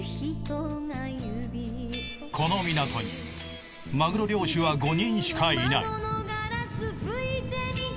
この港にマグロ漁師は５人しかいない。